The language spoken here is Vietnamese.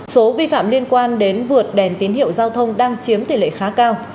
số vi phạm liên quan đến vượt đèn tín hiệu giao thông đang chiếm tỷ lệ khá cao